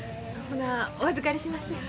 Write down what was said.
ほなお預かりします。